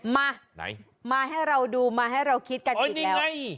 มามาให้เราดูมาให้เราคิดกันอีกแล้วโอ้ยน่ะไง